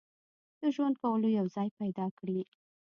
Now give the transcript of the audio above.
د ژوند کولو یو ځای پیدا کړي.